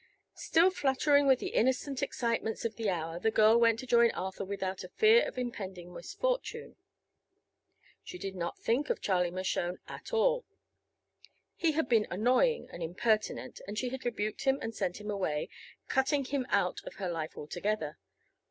Still fluttering with the innocent excitements of the hour the girl went to join Arthur without a fear of impending misfortune. She did not think of Charlie Mershone at all. He had been annoying and impertinent, and she had rebuked him and sent him away, cutting him out of her life altogether.